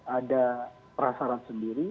ada perasaran sendiri